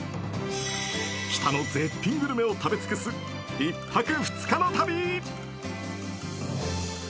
北の絶品グルメを食べ尽くす１泊２日の旅。